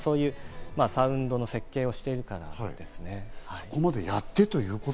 サウンドの設計をしているからですね。